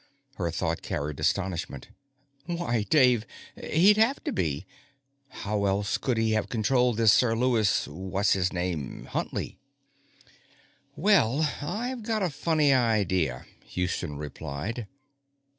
_ Her thought carried astonishment. Why, Dave he'd have to be! How else could he have controlled this Sir Lewis whatsisname Huntley? Well I've got a funny idea, Houston replied.